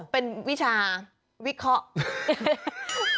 เป็นวิชาวิเคราะห์